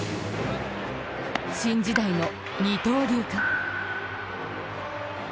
新時代の二刀流か。